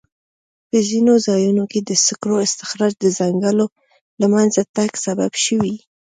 په ځینو ځایونو کې د سکرو استخراج د ځنګلونو له منځه تګ سبب شوی.